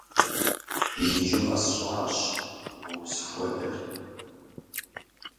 Иджы къэсщӏащ уэ узыхуэдэр.